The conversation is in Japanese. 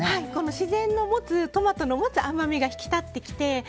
自然の持つトマトの持つ甘みが引き立ってきて。